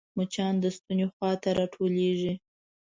مچان د ستوني خوا ته راټولېږي